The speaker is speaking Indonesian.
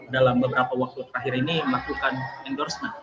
dalam beberapa waktu terakhir ini melakukan endorsement